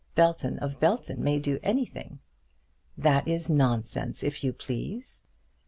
Belton of Belton may do anything." "That is nonsense, if you please."